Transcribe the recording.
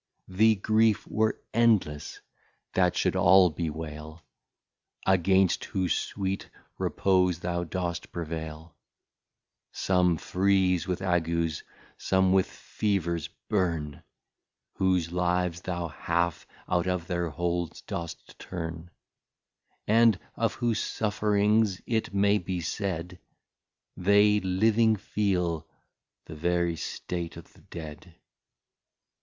The Grief were Endless, that should all bewaile, Against whose sweet Repose thou dost prevail: Some freeze with Agues, some with Feavers burn, Whose Lives thou half out of their Holds dost turn; And of whose Sufferings it may be said, They living feel the very State o'th' Dead.